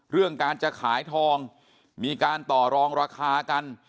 เรื่องการจะขายทองมีการต่อรองราคากัน